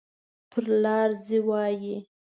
پر لار ځي وایي.